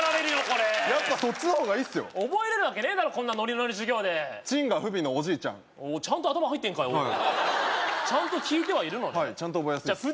これやっぱそっちの方がいいっすよ覚えれるわけねえだろこんなノリノリ授業でチンがフビのおじいちゃんちゃんと頭入ってんかいおいちゃんと聞いてはいるのねはいちゃんと覚えやすいです